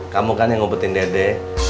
kamu kan yang ngupetin dede